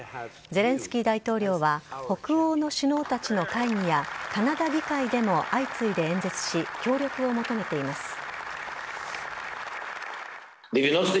ゼレンスキー大統領は北欧の首脳たちの会議や、カナダ議会でも相次いで演説し、協力を求めています。